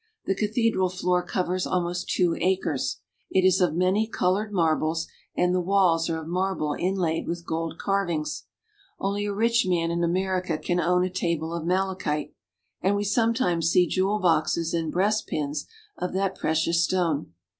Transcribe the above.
The cathedral floor covers almost two acres. It is of many colored marbles, and the walls are of marble inlaid with gold carvings. Only a rich man in America can own a table of malachite, and we sometimes see jewel boxes and 334 Russia. breastpins of that precious stone.